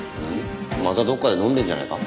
またどこかで飲んでるんじゃないか？